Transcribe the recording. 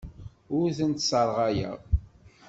Ur tent-sserɣayeɣ.